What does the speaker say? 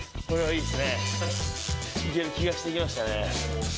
いける気がしてきましたね。